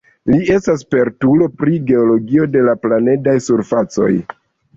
Li estas spertulo pri geologio de la planedaj surfacoj.